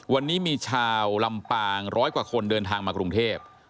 วันนี้มีชาวลำปางร้อยกว่าคนเดินทางมากรุงเทพ